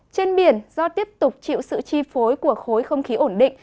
trên biển do tiếp tục chịu sự chi phối của khối không khí ổn định